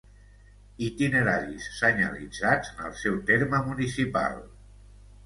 itineraris senyalitzats en el seu terme municipal